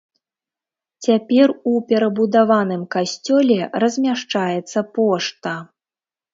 Цяпер у перабудаваным касцёле размяшчаецца пошта.